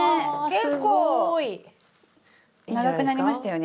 結構長くなりましたよね。